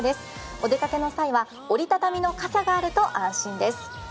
お出かけの際は折りたたみの傘があると安心です。